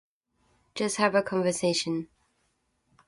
Just have a conversation.